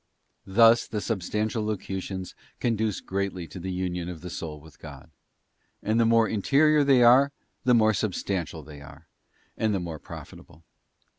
'* Thus the Substantial Locutions conduce greatly to the Union of the soul with God; and the more interior they are, the more substantial are they and the more pro fitable.